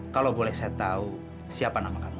kalau boleh saya tahu siapa nama kamu